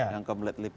yang kembali ke pnap